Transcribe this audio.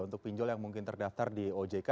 untuk pinjol yang mungkin terdaftar di ojk